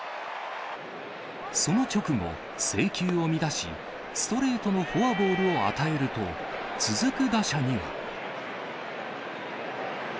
その直後、制球を乱し、ストレートのフォアボールを与えると、続く打者には。